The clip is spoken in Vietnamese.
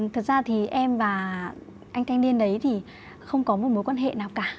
thực ra thì em và anh canh niên đấy thì không có một mối quan hệ nào cả